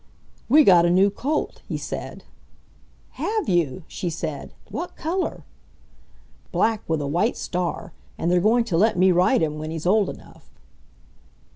"We got a new colt," he said. "Have you?" she said. "What color?" "Black, with a white star, and they're going to let me ride him when he's old enough."